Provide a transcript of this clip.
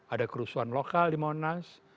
ada kerusuhan lokal di monas